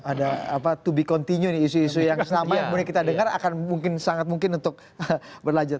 ada apa to be continued isu isu yang selama yang mulai kita dengar akan mungkin sangat mungkin untuk berlanjut